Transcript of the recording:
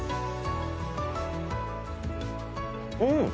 うん！